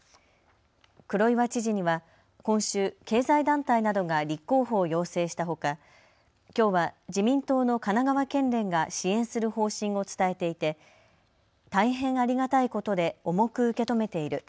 黒岩知事には今週、経済団体などが立候補を要請したほかきょうは自民党の神奈川県連が支援する方針を伝えていて大変ありがたいことで重く受け止めている。